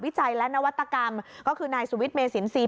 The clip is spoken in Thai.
จัยและนวัตกรรมก็คือนายสุวิทย์เมสินทรีย์